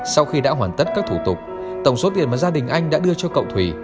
sau khi đã hoàn tất các thủ tục tổng số tiền mà gia đình anh đã đưa cho cậu thủy